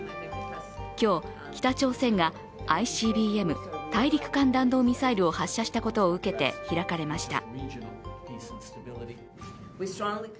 今日、北朝鮮がＩＣＢＭ＝大陸間弾道ミサイルを発射したことを受けて開かれました。